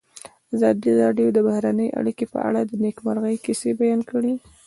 ازادي راډیو د بهرنۍ اړیکې په اړه د نېکمرغۍ کیسې بیان کړې.